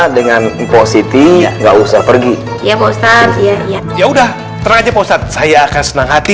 dengan impositif enggak usah pergi ya ustadz ya ya udah terangnya posat saya akan senang hati